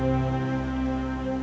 kamu sengaja ya